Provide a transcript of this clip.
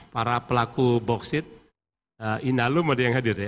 para pelaku boksit inalum ada yang hadir ya